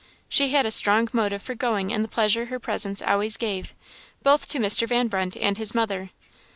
She had a strong motive for going in the pleasure her presence always gave, both to Mr. Van Brunt and his mother.